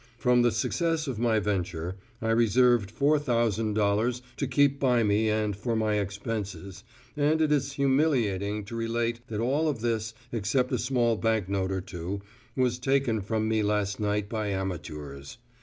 From the success of my venture I reserved four thousand dollars to keep by me and for my expenses, and it is humiliating to relate that all of this, except a small banknote or two, was taken from me last night by amateurs.